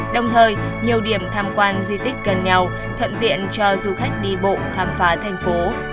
đồng thời nhiều điểm tham quan di tích gần nhau thuận tiện cho du khách đi bộ khám phá thành phố